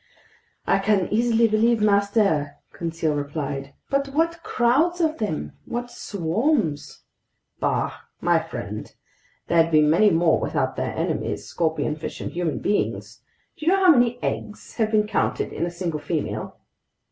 "I can easily believe master," Conseil replied. "But what crowds of them! What swarms!" "Bah! My friend, there'd be many more without their enemies, scorpionfish and human beings! Do you know how many eggs have been counted in a single female?"